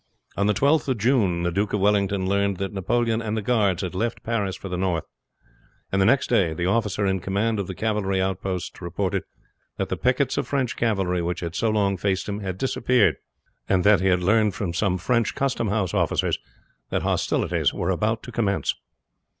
On the 12th of June the Duke of Wellington learned that Napoleon and the guards had left Paris for the North, and the next day the officer in command of the cavalry outposts reported that the pickets of French cavalry which had so long faced him had disappeared, and that he had learned from some French custom house officers that hostilities were about to commence.